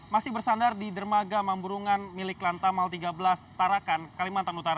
masih bersandar di dermaga memburungan milik lantai